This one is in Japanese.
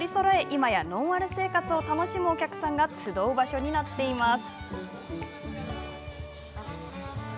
今やノンアル生活を楽しむお客さんが集う場所になっています。